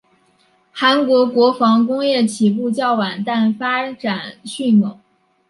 韩国国防工业起步较晚但发展迅猛。